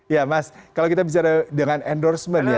ya mas kalau kita bicara dengan endorsement ya